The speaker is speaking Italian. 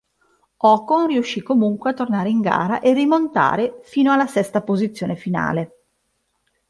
Ocon riuscì comunque a tornare in gara e rimontare fino alla sesta posizione finale.